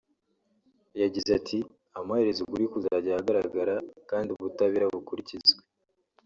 yagize ati “Amaherezo ukuri kuzajya ahagaragara kandi ubutabera bukurikizwe